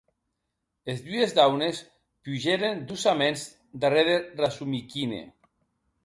Es dues daunes pugèren doçaments darrèr de Rasumikhine.